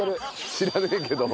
知らないけども。